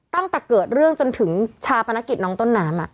ตั้งแต่เกิดเรื่องจนถึงชาปนกิจน้องต้นน้ำ